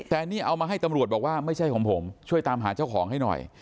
แต่นี่เอามาให้ตำรวจบอกว่าไม่ใช่ของผมช่วยตามหาเจ้าของให้หน่อย